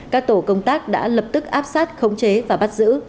các tổ công tác đã lập tức áp sát khống chế và bắt giữ